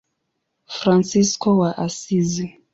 Fransisko wa Asizi.